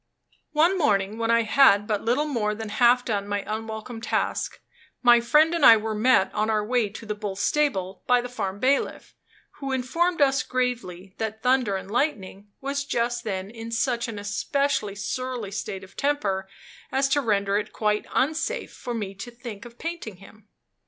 One morning, when I had but little more than half done my unwelcome task, my friend and I were met on our way to the bull's stable by the farm bailiff, who informed us gravely that "Thunder and Lightning" was just then in such an especially surly state of temper as to render it quite unsafe for me to think of painting him.